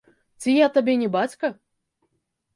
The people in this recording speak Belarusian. Ці я табе не бацька?